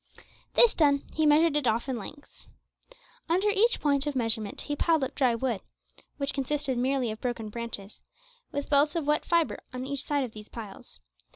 This done, he measured it off in lengths. Under each point of measurement he piled up dry wood which consisted merely of broken branches with belts of wet fibre on each side of these piles.